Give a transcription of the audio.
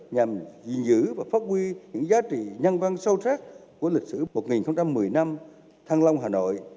nhằm gìn giữ và phát huy những giá trị nhân văn sâu sắc của lịch sử một nghìn một mươi năm thăng long hà nội